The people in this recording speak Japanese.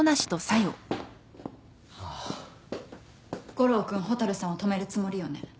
悟郎君蛍さんを止めるつもりよね？